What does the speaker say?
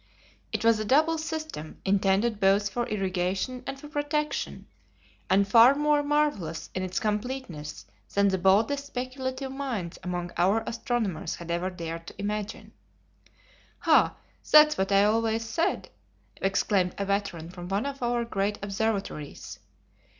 It was a double system, intended both for irrigation and for protection, and far more marvellous in its completeness than the boldest speculative minds among our astronomers had ever dared to imagine. "Ha! that's what I always said," exclaimed a veteran from one of our great observatories.